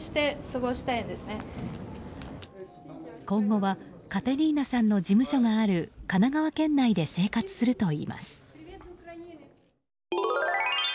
今後はカテリーナさんの事務所がある神奈川県内で生活するといいます。